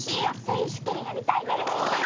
選手権やりたいです